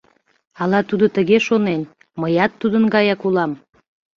Ала тудо тыге шонен: мыят тудын гаяк улам.